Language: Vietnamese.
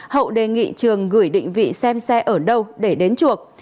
hậu đề nghị trường gửi định vị xem xe ở đâu để đến chuộc